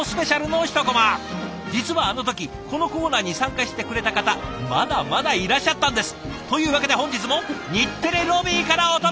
実はあの時このコーナーに参加してくれた方まだまだいらっしゃったんです！というわけで本日も日テレロビーからお届け！